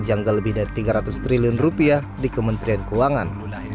janggal lebih dari tiga ratus triliun rupiah di kementerian keuangan